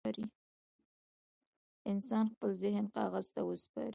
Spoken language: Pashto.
انسان خپل ذهن کاغذ ته وسپاره.